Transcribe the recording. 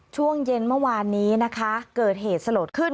ช่วงเย็นเมื่อวานนี้นะคะเกิดเหตุสลดขึ้น